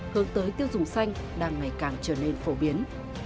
hướng tới tiêu dùng xanh đang ngày càng trở nên phổ biến